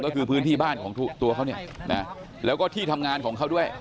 ก็คือพื้นที่บ้านของตัวเขาเนี่ยนะแล้วก็ที่ทำงานของเขาด้วย